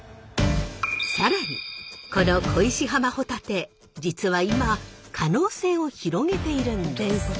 さらにこの恋し浜ホタテ実は今可能性を広げているんです。